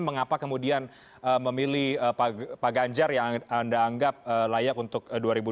mengapa kemudian memilih pak ganjar yang anda anggap layak untuk dua ribu dua puluh